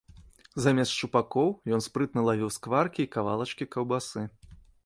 Замест шчупакоў ён спрытна лавіў скваркі і кавалачкі каўбасы.